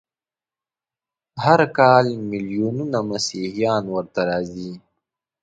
هر کال ملیونونه مسیحیان ورته راځي.